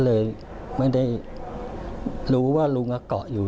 เลยไม่ได้รู้ว่าลุงเกาะอยู่